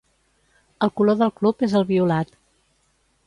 El color del club és el violat.